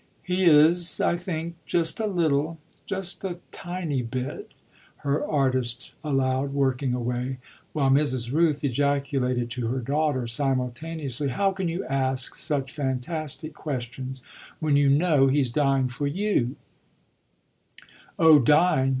"He is, I think, just a little just a tiny bit," her artist allowed, working away; while Mrs. Rooth ejaculated to her daughter simultaneously: "How can you ask such fantastic questions when you know he's dying for you?" "Oh dying!